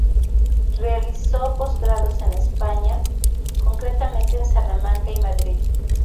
Realizó posgrados en España, concretamente en Salamanca y Madrid.